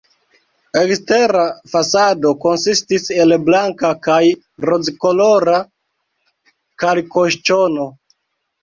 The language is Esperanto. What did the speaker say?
La ekstera fasado konsistis el blanka kaj rozkolora kalkoŝtono.